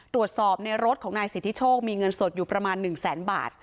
ตรวจสอบในรถของนายสิทธิโชคมีเงินสดอยู่ประมาณ๑แสนบาท